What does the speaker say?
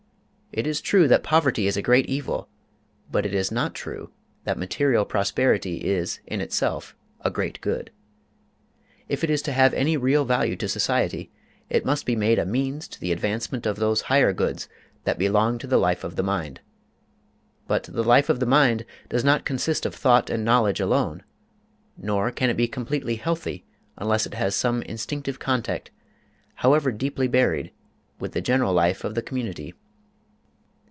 It is true that poverty is a great evil, but it is not true that material prosperity is in itself a great good. If it is to have any real value to society, it must be made a means to the advancement of those higher goods that belong to the life of the mind. But the life of the mind does not consist of thought and knowledge alone, nor can it be completely healthy unless it has some instinctive contact, however deeply buried, with the general life of the community.